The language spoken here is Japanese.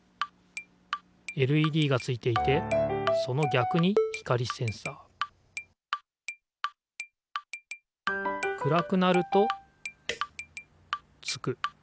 ＬＥＤがついていてそのぎゃくに光センサー暗くなると点く。